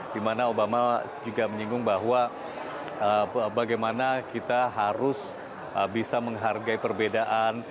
di mana obama juga menyinggung bahwa bagaimana kita harus bisa menghargai perbedaan